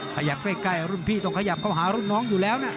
ขยับใกล้รุ่นพี่ต้องขยับเข้าหารุ่นน้องอยู่แล้วนะ